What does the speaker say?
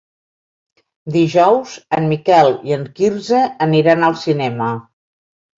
Dijous en Miquel i en Quirze aniran al cinema.